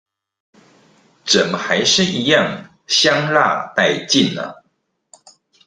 怎麼還是一樣香辣帶勁啊！